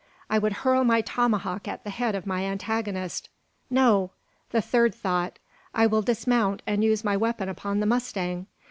I would hurl my tomahawk at the head of my antagonist. No! The third thought! I will dismount, and use my weapon upon the mustang.